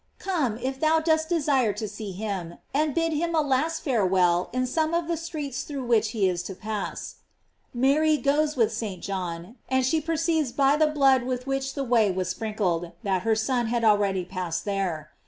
"f Come, if thou dost desire to see him^ and bid him a last farewell in some of the streets through which he is to pass. Mary goes with St. John, and she perceives by the blood with which the way was sprinkled, that her Son had already passed there.